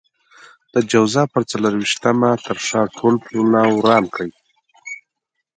د جوزا پر څلور وېشتمه تر شا ټول پلونه وران کړئ.